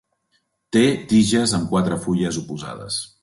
Té tiges amb quatre fulles oposades.